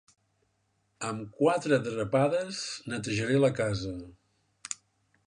Amb quatre drapades netejaré la casa.